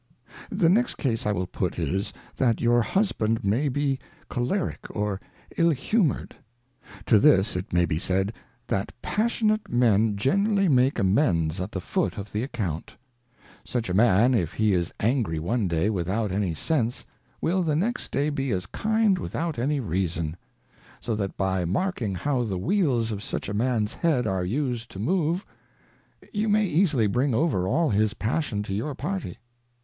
The next Case I will put is that your Husband may be Cholerick or Ill humour'd. To this it may be said. That passionate Men generally make amends at the Foot of the Account. Such a Man, if he is angry one day without any Sense, will the next day be as kind without any Reason. So that by marking how the Wheels of such a Man^s Head are used to move, you may easily bring over all his Passion to your Party.